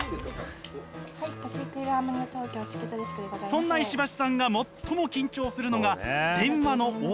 そんな石橋さんが最も緊張するのが電話の応対。